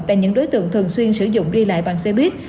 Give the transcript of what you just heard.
tại những đối tượng thường xuyên sử dụng đi lại bằng xe buýt